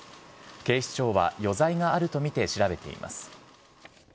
警視庁は余罪があると見て調べています。